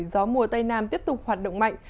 gió mùa tây nam tiếp tục hoạt động mạnh